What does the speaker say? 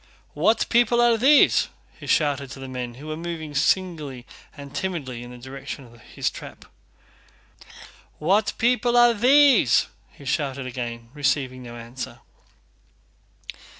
"What people are these?" he shouted to the men, who were moving singly and timidly in the direction of his trap. "What people are these?" he shouted again, receiving no answer.